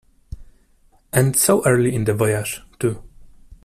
And so early in the voyage, too.